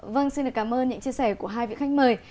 vâng xin được cảm ơn những chia sẻ của hai vị khách mời